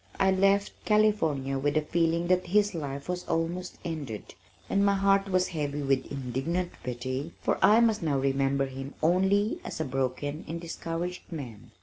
I left California with the feeling that his life was almost ended, and my heart was heavy with indignant pity for I must now remember him only as a broken and discouraged man.